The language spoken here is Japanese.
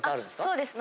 そうです。